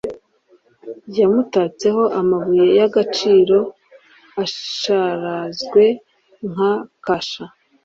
yawutatseho amabuye y'agaciro asharazwe nka kasha